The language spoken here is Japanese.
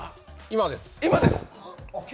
今です。